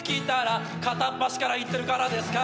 「片っ端からいってるからですか？」